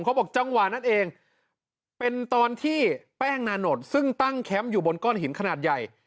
เขาบอกจังหวะนั้นเองเป็นตอนที่แป้งนานดซึ่งตั้งแคมป์อยู่บนก้อนหินขนาดใหญ่